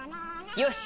よし！